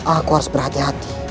aku harus berhati hati